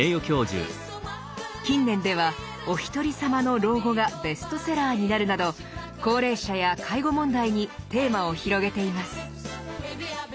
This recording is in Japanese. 近年では「おひとりさまの老後」がベストセラーになるなど高齢者や介護問題にテーマを広げています。